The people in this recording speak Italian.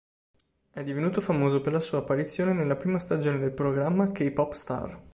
È divenuto famoso per la sua apparizione nella prima stagione del programma "K-pop Star".